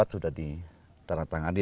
sudah ditarah tangani